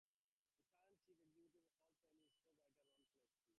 The current chief executive of the Hall of Fame is sports writer Ron Palenski.